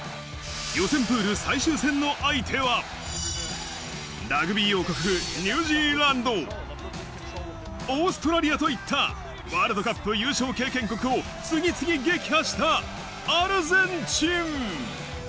予選プール最終戦の相手は、ラグビー王国・ニュージーランド、オーストラリアといったワールドカップ優勝経験国を次々撃破したアルゼンチン。